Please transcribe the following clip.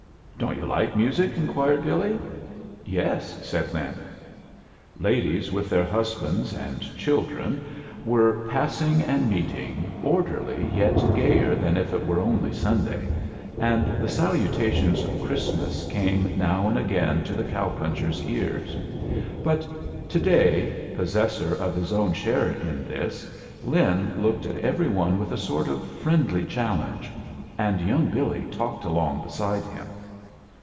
''Don't you like music?" inquired BiUy. *'Yes," said Lin. Ladies with their husbands and diildren y' A JOURNEY IN SEARCH OF CHRISTMAS were passing and meeting, orderly yet gayer than if it were only Suoday, and the salutations of Christmas came now and again to the cow ptmcher's ears; bat to day, possessor of his own share in this, Lin looked at every one with a sort of friendly challenge, and yoimg Billy talked along beside him.